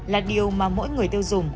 là điều mà mỗi người tiêu dùng